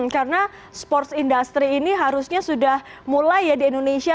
karena sports industri ini harusnya sudah mulai ya di indonesia